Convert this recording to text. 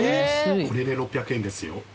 これで６００円ですよ。